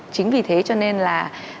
chính vì thế cho nên là